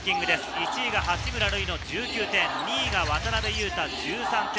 １位が八村塁の１９点、２位が渡邊雄太１３点。